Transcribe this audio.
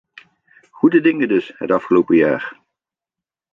Goede dingen dus het afgelopen jaar.